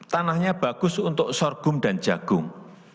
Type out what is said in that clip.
tanahnya bagus untuk sorghum dan jagung